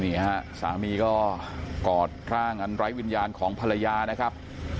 นี่ฮะสามีก็กอดร่างอันไร้วิญญาณของภรรยานะครับ